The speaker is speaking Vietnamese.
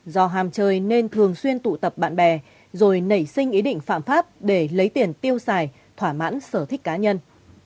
do hàm chơi nên thường xuyên tụ tập bạn bè rồi nảy sinh ý định phạm pháp để lấy tiền tiêu xài thỏa mãn sở thích cá nhân